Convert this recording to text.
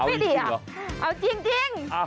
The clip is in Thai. ไม่ดีอ่ะเอาจริง